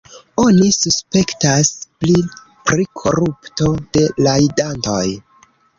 Oni suspektas pli pri korupto de rajdantoj.